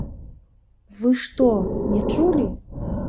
Вы што, не чулі?